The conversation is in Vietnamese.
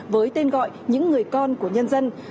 với tên gọi những người con của nhân dân